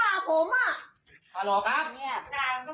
กล่าวมันก็ไม่น่าเจ๋งครับไม่น่ากล่าว